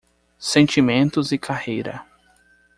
Sentimentos e carreira